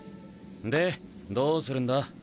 でどうするんだ？